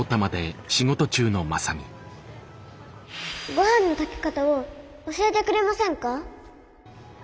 ごはんの炊き方を教えてくれませんか？